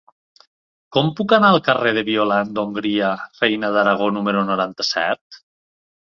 Com puc anar al carrer de Violant d'Hongria Reina d'Aragó número noranta-set?